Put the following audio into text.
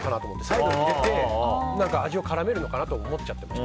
最後に入れて味を絡めるのかなと思っちゃってました。